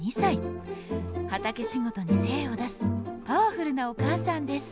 畑仕事に精を出すパワフルなお母さんです。